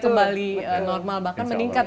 kembali normal bahkan meningkat